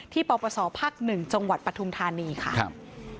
ที่ปปสภ๑จปธานีค่ะ